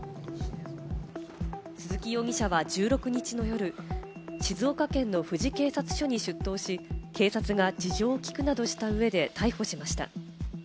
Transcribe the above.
鈴木容疑者は１６日の夜、静岡県の富士警察署に出頭し、警察が事情を聞くなどした上で逮捕しました。